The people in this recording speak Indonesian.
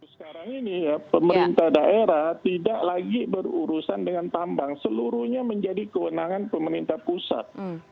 sekarang ini ya pemerintah daerah tidak lagi berurusan dengan tambang seluruhnya menjadi kewenangan pemerintah pusat